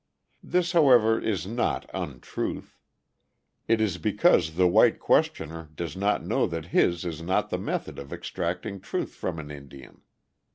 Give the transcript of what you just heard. This, however, is not untruth. It is because the white questioner does not know that his is not the method of extracting truth from an Indian.